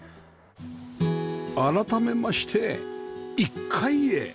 改めまして１階へ